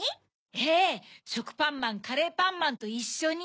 ええしょくぱんまんカレーパンマンといっしょに。